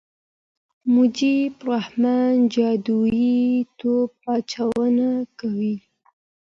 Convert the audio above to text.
مجيب الرحمن جادويي توپ اچونه کوي.